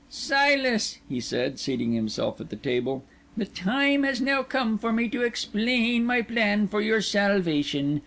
"Silas," he said, seating himself at the table, "the time has now come for me to explain my plan for your salvation.